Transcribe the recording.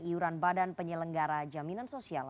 iuran badan penyelenggara jaminan sosial